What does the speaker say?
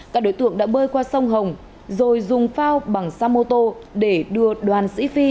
các đối tượng đã bơi qua sông hồng rồi dùng phao bằng xe mô tô để đưa đoàn sĩ phi